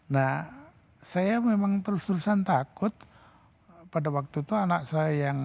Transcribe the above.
nah saya memang terus terusan takut pada waktu itu anak saya yang